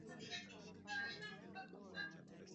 emu za tanzania na wenyewe wanavutia kwao rwan